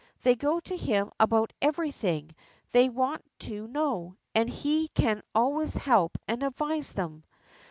They go to him about everything they want to know, and he can always help and advise them."